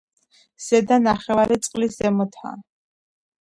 ზედა ნახევარი წყლის ზემოთაა.